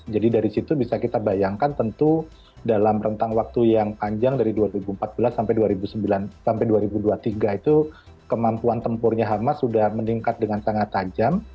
jadi dari situ bisa kita bayangkan tentu dalam rentang waktu yang panjang dari dua ribu empat belas sampai dua ribu dua puluh tiga itu kemampuan tempurnya hamas sudah meningkat dengan sangat tajam